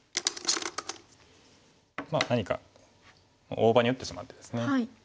何か大場に打ってしまってですね。